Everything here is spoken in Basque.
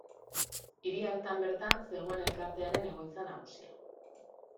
Hiri hartan bertan zegoen elkartearen egoitza nagusia.